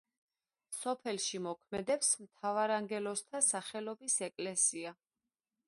სოფელში მოქმედებს მთავარანგელოზთა სახელობის ეკლესია.